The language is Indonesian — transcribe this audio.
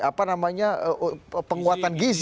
apa namanya penguatan gizi